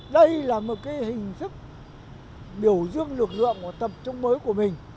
đây là một hình thức biểu dương lực lượng của tập trung mới của mình